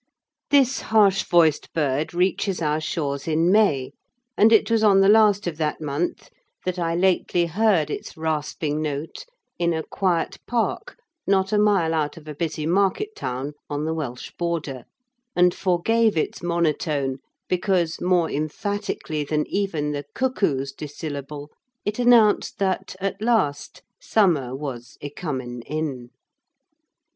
This harsh voiced bird reaches our shores in May, and it was on the last of that month that I lately heard its rasping note in a quiet park not a mile out of a busy market town on the Welsh border, and forgave its monotone because, more emphatically than even the cuckoo's dissyllable, it announced that, at last, "summer was icumen in."